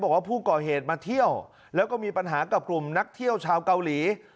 บอกว่าผู้ก่อเหตุมาเที่ยวแล้วก็มีปัญหากับกลุ่มนักเที่ยวชาวเกาหลี